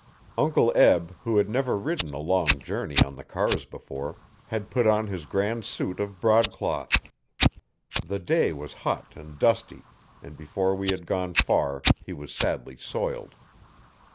Uncle Eb, who had never ridden a long journey on the cars before, had put on his grand suit of broadcloth. The day was hot and dusty, and before we had gone far he was sadly soiled.